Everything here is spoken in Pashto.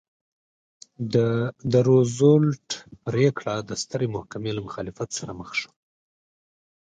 د روزولټ پرېکړه د سترې محکمې له مخالفت سره مخ شوه.